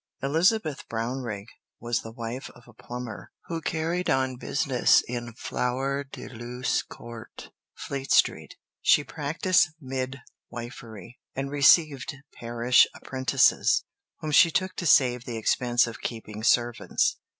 Elizabeth Brownrigg was the wife of a plumber who carried on business in Flower de Luce Court, Fleet Street. She practised midwifery, and received parish apprentices, whom she took to save the expense of keeping servants.